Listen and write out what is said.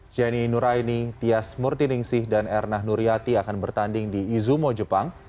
jenny nuraini tias murtiningsih dan erna nuryati akan bertanding di izumo jepang